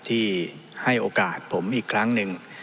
ที่ให้โอกาสผมอีกครั้งหนึ่ง